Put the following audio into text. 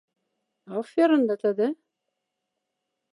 Аф верондатада?